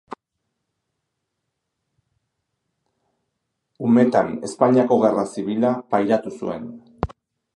Umetan, Espainiako Gerra Zibila pairatu zuen.